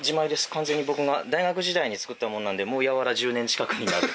完全に僕が大学時代に作ったものなのでもうやわら１０年近くになる。